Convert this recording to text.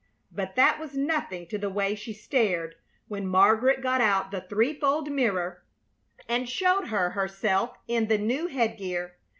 But that was nothing to the way she stared when Margaret got out the threefold mirror and showed her herself in the new headgear.